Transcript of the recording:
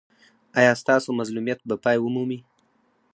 ایا ستاسو مظلومیت به پای ومومي؟